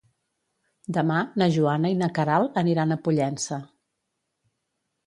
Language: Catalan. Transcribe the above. Demà na Joana i na Queralt aniran a Pollença.